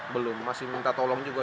belum masih minta tolong juga